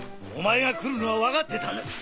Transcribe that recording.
お前が来るのは分かってたんだ。